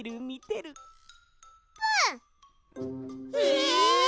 え！？